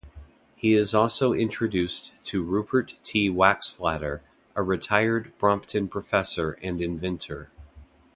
He is also introduced to Rupert T. Waxflatter, a retired Brompton professor and inventor.